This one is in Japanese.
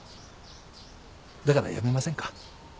だからやめませんか？